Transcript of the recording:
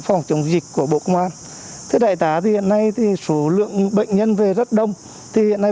phòng chống dịch của bộ công an thưa đại tá thì hiện nay thì số lượng bệnh nhân về rất đông thì hiện nay